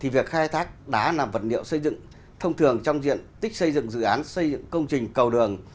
việc khai thác đá làm vật liệu xây dựng thông thường trong diện tích xây dựng dự án xây dựng công trình cầu đường